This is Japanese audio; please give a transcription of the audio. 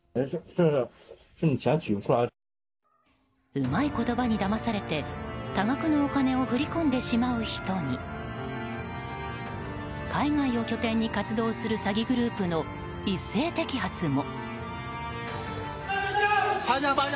うまい言葉にだまされて多額のお金を振り込んでしまう人に海外を拠点に活動する詐欺グループの一斉摘発も。